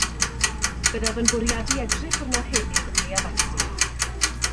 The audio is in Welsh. Byddaf yn bwriadu edrych arno heddiw a'i addasu